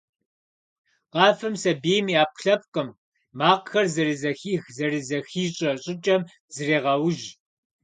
Къафэм сабийм и Ӏэпкълъэпкъым, макъхэр зэрызэхих-зэрызыхищӀэ щӀыкӀэм зрегъэужь.